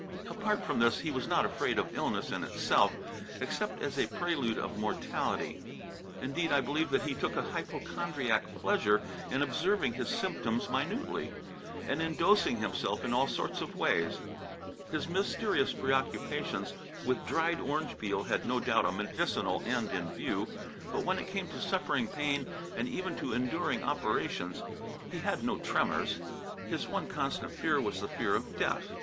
Apart from this, he was not afraid of illness in itself, except as a prelude of mortality. Indeed I believe that he took a hypochondriac pleasure in observing his symptoms minutely, and in dosing himself in all sorts of ways. His mysterious preoccupations with dried orange peel had no doubt a medicinal end in view. But when it came to suffering pain and even to enduring operations, he had no tremors. His one constant fear was the fear of death.